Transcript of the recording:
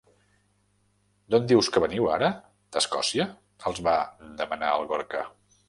D'on dius que veniu, ara, d'Escòcia? —els va demanar el Gorka.